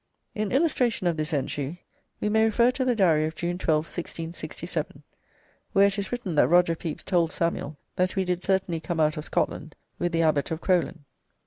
In illustration of this entry we may refer to the Diary of June 12th, 1667, where it is written that Roger Pepys told Samuel that "we did certainly come out of Scotland with the Abbot of Crowland."